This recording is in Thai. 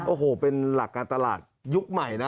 โอ้โหเป็นหลักการตลาดยุคใหม่นะ